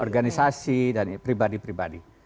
organisasi dan pribadi pribadi